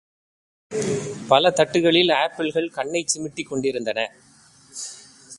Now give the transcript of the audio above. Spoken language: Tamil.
பல தட்டுகளில் ஆப்பிள்கள் கண்ணைச் சிமிட்டிக் கொண்டி ருந்தன.